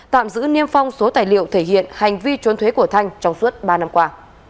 tạm giữ niêm phong số tài liệu thể hiện hành vi trốn thuế của thanh trong suốt ba năm qua